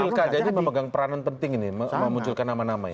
jadi pilkada itu memegang peranan penting ini memunculkan nama nama ini